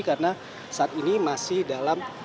karena saat ini masih dalam